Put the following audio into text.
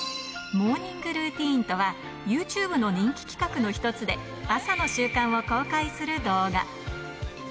モーニングルーティンとは、ユーチューブの人気企画の一つで、朝の習慣を公開する動画。